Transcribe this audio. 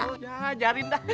udah ajarin dah